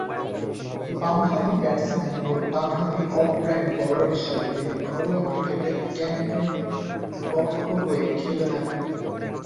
বামহাতি ব্যাটসম্যান ও ডানহাতি অফ ব্রেক বোলার হিসেবে তিনি ঘরোয়া ক্রিকেটে কেন্টের পক্ষ হয়ে খেলে থাকেন।